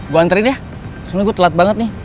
gue anterin ya soalnya gue telat banget nih